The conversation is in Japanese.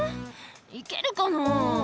「行けるかな？」